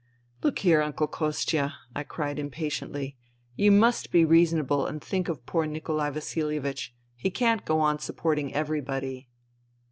" Look here, Uncle Kostia," I cried impatiently, " you must be reasonable and think of poor Nikolai Vasilievich. He can't go on supporting everybody."